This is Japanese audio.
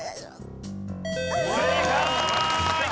正解！